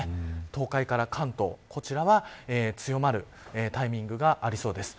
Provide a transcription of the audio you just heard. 東海から関東、こちらは強まるタイミングがありそうです。